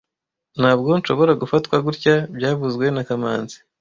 Ntabwo nshobora gufatwa gutya byavuzwe na kamanzi